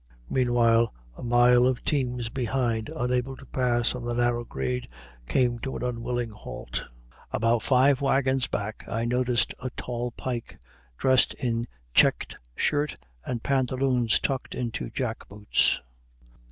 Meanwhile, a mile of teams behind, unable to pass on the narrow grade, came to an unwilling halt. About five wagons back I noticed a tall Pike, dressed in checked shirt, and pantaloons tucked into jack boots.